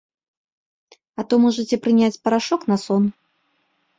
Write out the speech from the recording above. А то можаце прыняць парашок на сон.